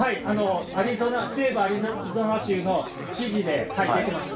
西部アリゾナ州の知事で、出てます。